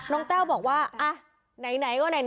น้องแก้วบอกว่าไหนก็ไหน